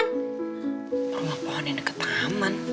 nombor pohon yang deket taman